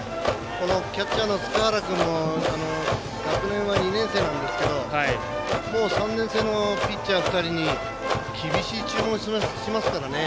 キャッチャーの塚原君も学年は２年生なんですけどもう３年生のピッチャー２人に厳しい注文しますからね。